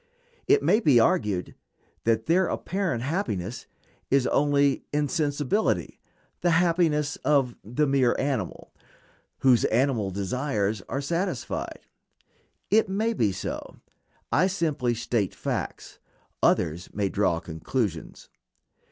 It may be argued that their apparent happiness is only insensibility, the happiness of the mere animal, whose animal desires are satisfied. It may be so. I simply state facts, others may draw conclusions.